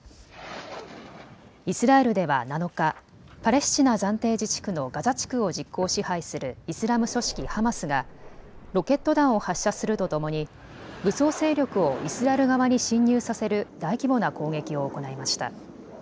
イスラエルでは７日、パレスチナ暫定自治区のガザ地区を実効支配するイスラム組織ハマスがロケット弾を発射するとともに武装勢力をイスラエル側に侵入させる大規模な攻撃を行いました。